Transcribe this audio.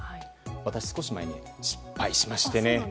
私、少し前に失敗しましてね。